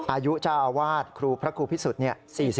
อายุเจ้าอาวาสครูพระครูพิสุทธิ์